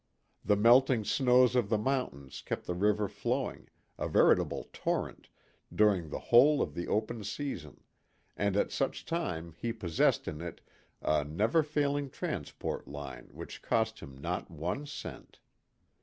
The melting snows of the mountains kept the river flowing, a veritable torrent, during the whole of the open season, and at such time he possessed in it a never failing transport line which cost him not one cent.